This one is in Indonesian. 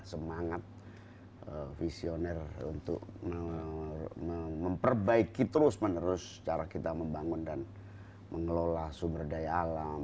semangat visioner untuk memperbaiki terus menerus cara kita membangun dan mengelola sumber daya alam